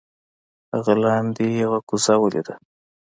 هغه لاندې یو کوزه ولیده.